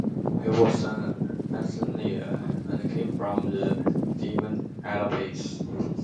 He was an Athenian, and came from the deme Alopece.